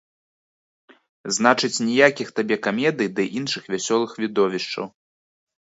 Значыць, ніякіх табе камедый ды іншых вясёлых відовішчаў.